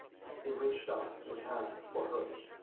He reached out his hand for hers.